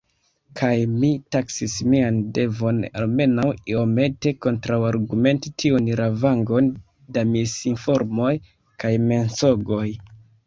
Kaj mi taksis mian devon almenaŭ iomete kontraŭargumenti tiun lavangon da misinformoj kaj mensogoj.